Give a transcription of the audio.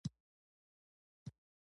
لاسونه يې سره وجنګول.